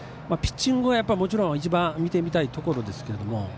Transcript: ピッチングはもちろん一番見てみたいところですけど。